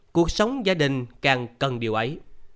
cuộc sống gia đình càng cần điều ấy